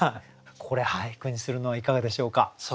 これ俳句にするのはいかがでしょうか？